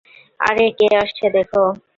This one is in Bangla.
আরে, কে আসছে দেখো!